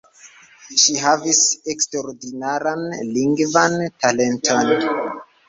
Ŝi havis eksterordinaran lingvan talenton.